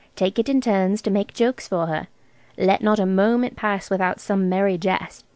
Take it in turns to make jokes for her. Let not a moment pass without some merry jest?'